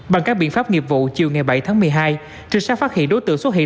bằng các biện pháp nghiệp vụ chiều ngày bảy tháng một mươi hai trinh sát phát hiện đối tượng xuất hiện